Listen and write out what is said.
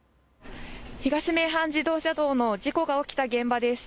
東名阪自動車道の事故が起きた現場です。